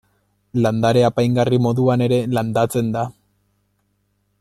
Landare apaingarri moduan ere landatzen da.